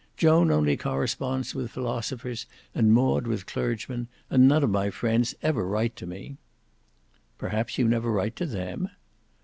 Joan only corresponds with philosophers and Maud with clergymen; and none of my friends ever write to me." "Perhaps you never write to them?"